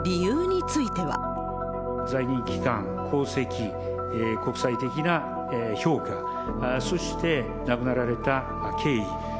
在任期間、功績、国際的な評価、そして亡くなられた経緯。